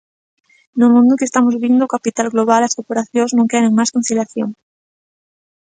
No mundo que estamos vivindo o capital global, as corporacións, non queren máis conciliación.